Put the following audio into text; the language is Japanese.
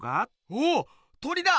おおっ鳥だ！